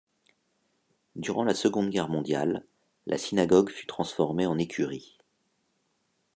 Durant la Seconde Guerre mondiale, la synagogue fut transformée en écurie.